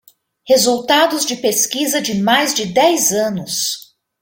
Resultados de pesquisa de mais de dez anos